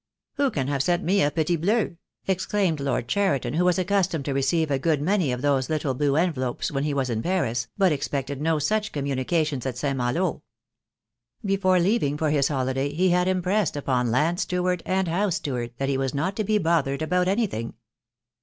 "Who can have sent me a petit bleu?" exclaimed Lord Cheriton, who was accustomed to receive a good many of those little blue envelopes when he was in Paris, but expected no such communications at St. Malo. Before leaving for his holiday he had impressed upon land steward and house steward that he was not to be bothered about anything.